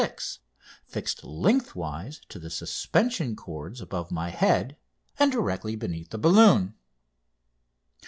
6) fixed lengthwise to the suspension cords above my head and directly beneath the balloon.